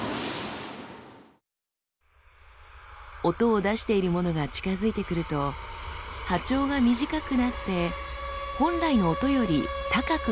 音を出しているものが近づいてくると波長が短くなって本来の音より高く聞こえます。